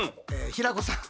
平子さん。